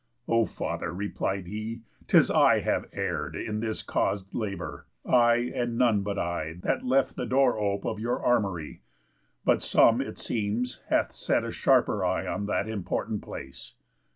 "O father," he replied, "'tis I have err'd In this caus'd labour; I, and none but I, That left the door ope of your armoury. But some, it seems, hath set a sharper eye On that important place.